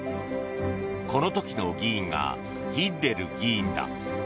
この時の議員がヒッレル議員だ。